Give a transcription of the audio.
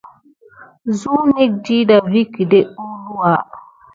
Zuneki diɗa vi kədek əwluwa.